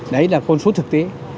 đấy là con số thực tế